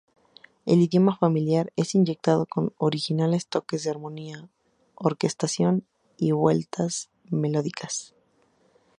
El idioma familiar es inyectado con originales toques de armonía, orquestación y vueltas melódicas.